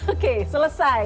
oke selesai ya